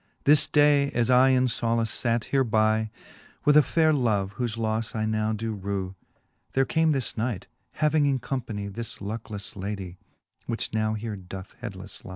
This day as I in folace fate hereby With a fayre love, whofe lofTe I now do rew. There came this knight, having in companie This lucklelTe ladie, which now here doth headlelTe lie.